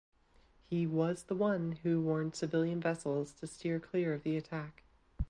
He was the one who warned civilian vessels to steer clear of the attack.